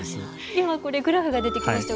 今これグラフが出てきました。